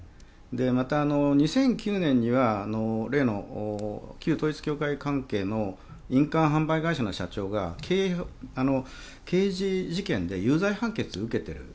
また、２００９年には例の旧統一教会関係の印鑑販売会社の社長が刑事事件で有罪判決を受けている。